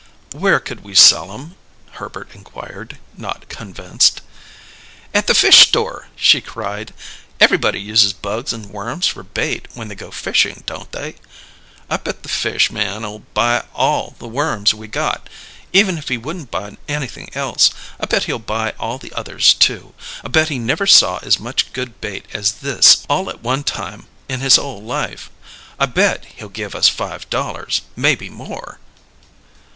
"Where could we sell 'em?" Herbert inquired, not convinced. "At the fish store!" she cried. "Everybody uses bugs and worms for bait when they go fishing, don't they? I bet the fish man'll buy all the worms we got, even if he wouldn't buy anything else. I bet he'll buy all the others, too! I bet he never saw as much good bait as this all at one time in his whole life! I bet he'll give us five dollars maybe more!"